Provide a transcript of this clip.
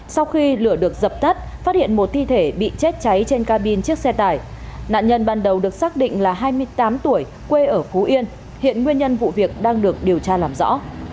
sau khi lửa được dập tắt phát hiện một thi thể bị chết cháy trên cabin chiếc xe tải nạn nhân ban đầu được xác định là hai mươi tám tuổi quê ở phú yên hiện nguyên nhân vụ việc đang được điều tra làm rõ